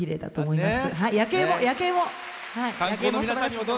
夜景も。